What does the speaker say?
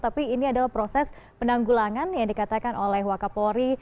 tapi ini adalah proses penanggulangan yang dikatakan oleh wakapori